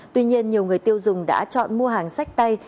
tuy nhiên nhiều người tiêu dùng đã chọn mua hàng sách tay